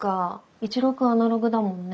一郎君アナログだもんね。